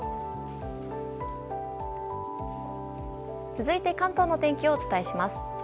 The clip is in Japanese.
続いて関東の天気をお伝えします。